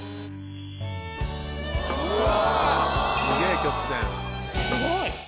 うわ！